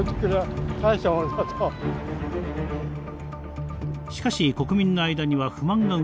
しかし国民の間には不満が生まれてきます。